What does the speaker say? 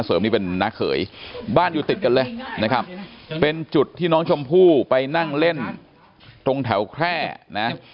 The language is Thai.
นี่เป็นน้าเขยบ้านอยู่ติดกันเลยนะครับเป็นจุดที่น้องชมพู่ไปนั่งเล่นตรงแถวแคร่นะ